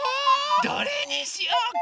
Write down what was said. どれにしようか？